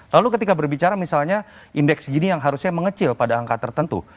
lalu ketika berbicara misalnya indeks gini yang harusnya mengecil pada angka tertentu